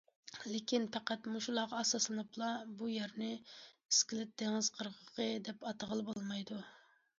لېكىن پەقەت مۇشۇلارغا ئاساسلىنىپلا بۇ يەرنى ئىسكىلىت دېڭىز قىرغىقى دەپ ئاتىغىلى بولمايدۇ.